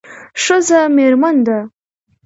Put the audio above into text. ښځه میرمن ده